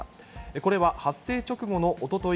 これは発生直後のおととい